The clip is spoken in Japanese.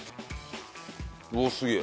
おおすげえ。